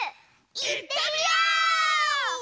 いってみよう！